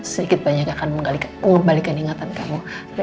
sedikit banyak akan mengembalikan ingatan kamu